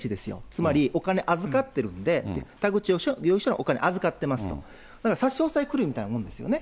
つまりお金預かってるんで、田口容疑者のお金預かってますと、だから差し押さえくるみたいなもんですよね。